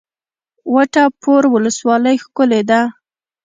وټه پور ولسوالۍ ښکلې ده؟